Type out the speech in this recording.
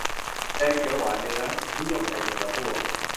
แดงเขียวหวานเนื้อ นิยมใส่มะเขือพวง